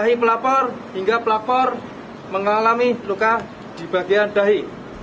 dari pelapor hingga pelapor mengalami luka di bagian dahi